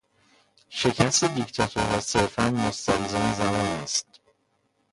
شکست دیکتاتورها صرفا مستلزم زمان است.